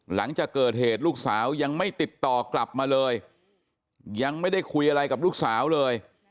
หลังจากเกิดเหตุลูกสาวยังไม่ติดต่อกลับมาเลยยังไม่ได้คุยอะไรกับลูกสาวเลย